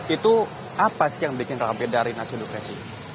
itu apa sih yang bikin ramen dari nasi uduk resing